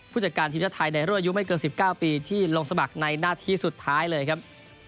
จัดการทีมชาติไทยในรุ่นอายุไม่เกิน๑๙ปีที่ลงสมัครในหน้าที่สุดท้ายเลยครับ